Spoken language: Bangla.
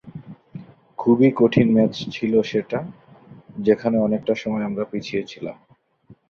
খুবই কঠিন ম্যাচ ছিল সেটা, যেখানে অনেকটা সময় আমরা পিছিয়ে ছিলাম।